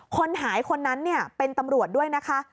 คนหายคนนั้นเป็นตำรวจด้วยนะคะ